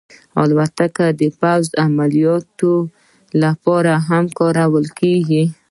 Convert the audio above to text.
الوتکه د پوځي عملیاتو لپاره هم کارول کېږي.